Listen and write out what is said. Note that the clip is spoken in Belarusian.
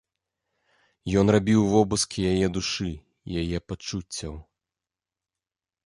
Ён рабіў вобыск яе душы, яе пачуццяў.